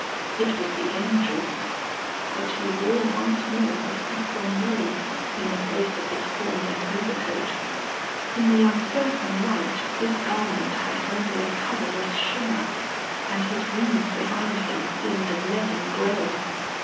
It was the Angel. But he wore once more the saffron robe in the place of his formless overcoat. In the uncertain light this garment had only a colourless shimmer, and his wings behind him seemed a leaden grey.